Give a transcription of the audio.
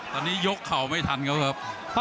ตอนนี้ยกเข่าไม่ทันเขาครับ